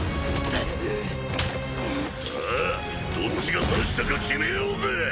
さあどっちが三下か決めようぜ！